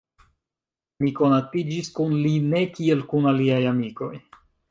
Mi konatiĝis kun li ne kiel kun aliaj amikoj.